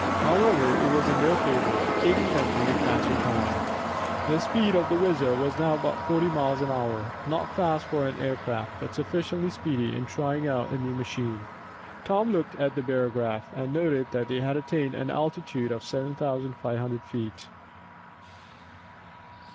However, it was in their favor, aiding them to make faster time. The speed of the WHIZZER was now about forty miles an hour, not fast for an air craft, but sufficiently speedy in trying out a new machine. Tom looked at the barograph, and noted that they had attained an altitude of seven thousand five hundred feet.